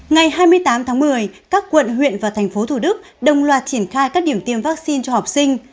ngày hai mươi tám tháng một mươi các quận huyện và thành phố thủ đức đồng loạt triển khai các điểm tiêm vaccine cho học sinh